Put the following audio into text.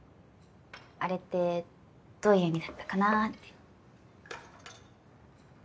あれってどういう意味だったかなあって